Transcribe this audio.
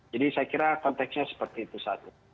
jadi saya kira konteksnya seperti itu saja